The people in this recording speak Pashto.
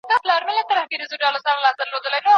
نه خنداوي بندیوانه نه د چا شونډي ګنډلي